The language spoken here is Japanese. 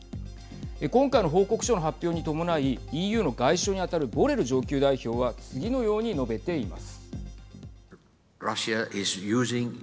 今回の報告書の発表に伴いＥＵの外相に当たるボレル上級代表は次のように述べています。